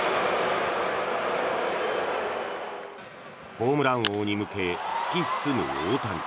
ホームラン王に向け突き進む大谷。